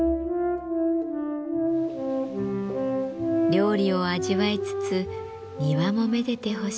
料理を味わいつつ庭もめでてほしい。